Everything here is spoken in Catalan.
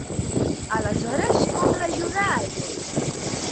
Aleshores, com l'ajudà el rei?